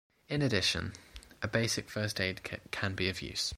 In addition, a basic first aid kit can be of use.